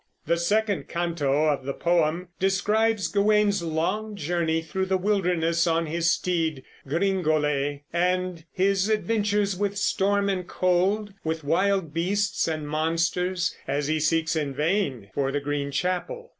The second canto of the poem describes Gawain's long journey through the wilderness on his steed Gringolet, and his adventures with storm and cold, with, wild beasts and monsters, as he seeks in vain for the Green Chapel.